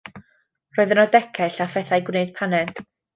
Roedd yno degell a phethau gwneud paned.